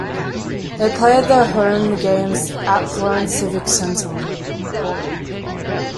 They played their home games at Florence Civic Center.